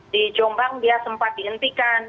di jombang dia sempat dihentikan